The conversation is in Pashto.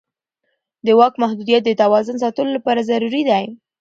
د واک محدودیت د توازن ساتلو لپاره ضروري دی